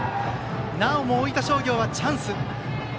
なおも大分商業はチャンス。